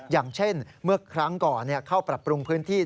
อย่างเช่นเมื่อครั้งก่อนเข้าปรับปรุงพื้นที่